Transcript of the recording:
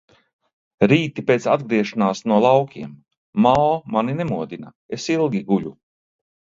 Rīti pēc atgriešanās no laukiem – Mao mani nemodina – es ilgi guļu.